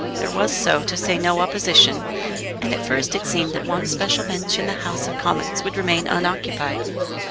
There was so to say no opposition, and at first it seemed that one special bench in the House of Commons would remain unoccupied.